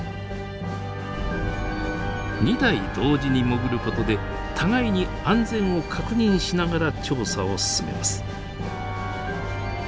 ２台同時に潜ることで互いに安全を確認しながら調査を進めます。